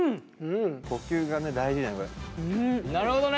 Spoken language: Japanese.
呼吸がね大事なんだね。